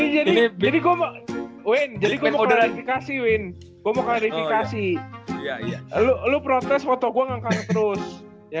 jadi gue mau wain jadi gue mau kasih win gue mau karifikasi lu protes foto gua ngangkang terus ya